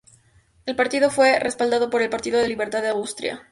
El partido fue respaldado por el Partido de la Libertad de Austria.